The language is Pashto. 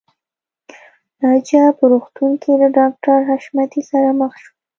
ناجیه په روغتون کې له ډاکټر حشمتي سره مخ شوه